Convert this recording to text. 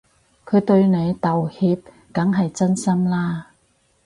佢對你道歉梗係真心啦